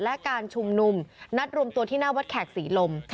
และการชุมนุมนัดรวมตัวที่หน้าวัดแขกศรีลม